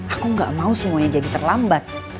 aku gak mau semuanya jadi terlambat